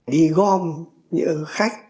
đi gom những khách